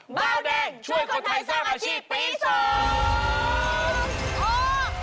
เบาแดงช่วยคนไทยสร้างอาชีพปีสอง